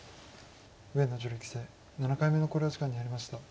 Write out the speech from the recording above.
上野女流棋聖７回目の考慮時間に入りました。